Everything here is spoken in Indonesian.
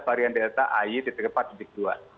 varian delta ayi tiga empat sedikit dua